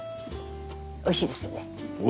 おいしいですよね。